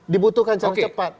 dibutuhkan secara cepat